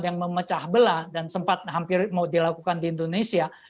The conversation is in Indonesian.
yang memecah belah dan sempat hampir mau dilakukan di indonesia